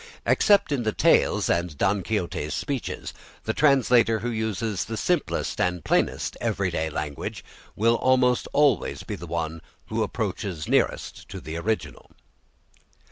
Except in the tales and Don Quixote's speeches, the translator who uses the simplest and plainest everyday language will almost always be the one who approaches nearest to the original.